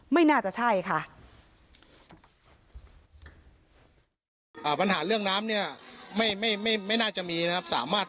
ไม่น่าจะใช่ค่ะ